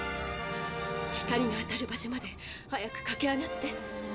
光があたる場所まで早くかけ上がって。